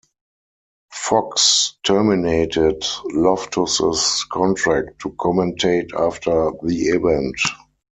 Fox terminated Loftus's contract to commentate after the event.